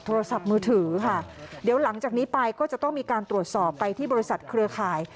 โทรศัพท์มือถือค่ะเดี๋ยวหลังจากนี้ไปก็จะต้องมีการตรวจสอบไปที่บริษัทเครือข่าย